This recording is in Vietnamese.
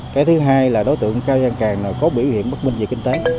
cái thứ hai là đối tượng cao giang càng có biểu hiện bất minh về kinh tế